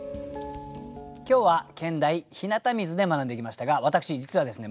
今日は兼題「日向水」で学んできましたが私実はですね